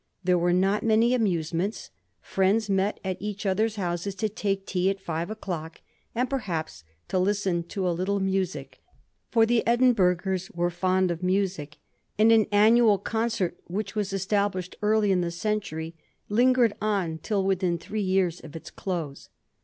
There were not many amusements ; fiiends met at each other's houses to take tea at five o'clock, and perhaps to listen to a little music ; for the Edin burghers were fond of music, and an annual concert which was established early in the century lingered on till within three years of its close.